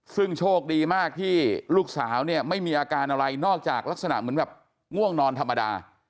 ซึ่งโชคดีมากที่ลูกสาวเนี่ยไม่มีอาการอะไรนอกจากลักษณะเหมือนแบบง่วงนอนธรรมดา